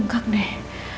aduh aduh aduh